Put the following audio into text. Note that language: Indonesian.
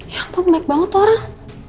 ya ampun baik banget orang